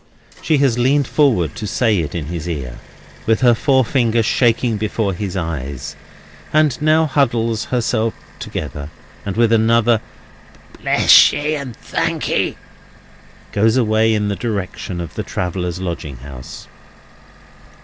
She has leaned forward to say it in his ear, with her forefinger shaking before his eyes, and now huddles herself together, and with another "Bless ye, and thank'ee!" goes away in the direction of the Travellers' Lodging House.